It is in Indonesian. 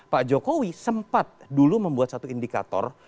pak jokowi sempat dulu membuat satu indikator